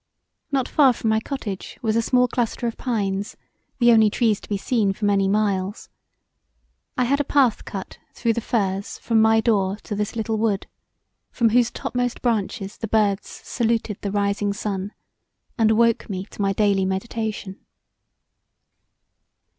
Not far from my cottage was a small cluster of pines the only trees to be seen for many miles: I had a path cut through the furze from my door to this little wood, from whose topmost branches the birds saluted the rising sun and awoke me to my daily meditation.